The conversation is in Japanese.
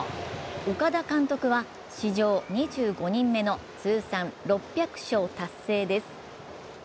岡田監督は史上２５人目の通算６００勝達成です。